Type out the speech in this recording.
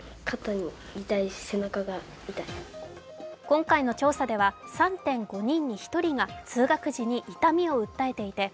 今回の調査では３．５人に１人が通学時に痛みを訴えていて。